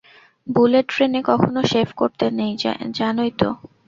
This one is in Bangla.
বুলেট ট্রেনে কখনো শেভ করতে নেই, জানোই তো।